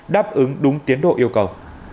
đáp ứng đúng tiến độ yêu cầu